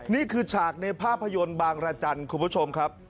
ฉากในภาพยนตร์บางรจันทร์คุณผู้ชมครับ